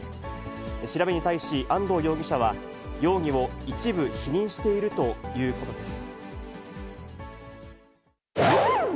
調べに対し、安藤容疑者は容疑を一部否認しているということです。